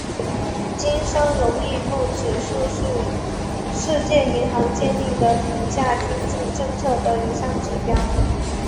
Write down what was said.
经商容易度指数是世界银行建立的评价经济政策的一项指标。